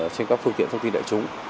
trên các phương tiện thông tin đại chúng